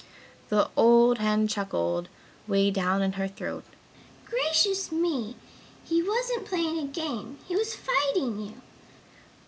The old hen chuckled 'way down in her throat, "Gracious me! He wasn't playing a game, he was fighting you!"